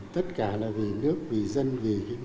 tất cả là vì nước vì dân vì